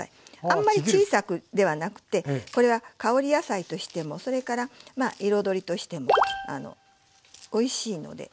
あんまり小さくではなくてこれは香り野菜としてもそれからまあ彩りとしてもおいしいので。